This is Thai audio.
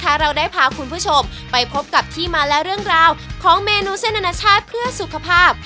เราได้พาคุณผู้ชมไปพบกับที่มาและเรื่องราวของเมนูเส้นอนาชาติเพื่อสุขภาพ